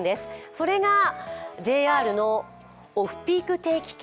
それがＪＲのオフピーク定期券。